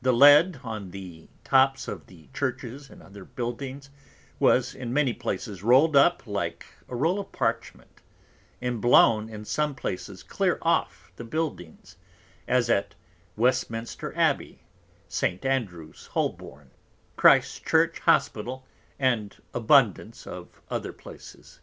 The Lead, on the Tops of the Churches and other Buildings, was in many Places roll'd up like a Roll of Parchment, and blown in some Places clear off from the Buildings; as at Westminster Abby, St. Andrews Holbourn, Christ Church Hospital, and abundance of other Places.